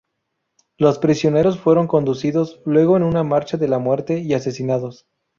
Los prisioneros fueron conducidos luego en una marcha de la muerte y asesinados.